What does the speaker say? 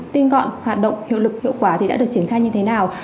tinh gọn hoạt động hiệu lực hiệu quả thì đã được triển khai như thế nào